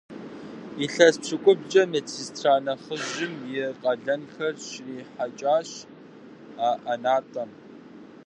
Илъэс пщыкӏублкӏэ медсестра нэхъыжьым и къалэнхэр щрихьэкӏащ а ӏэнатӏэм.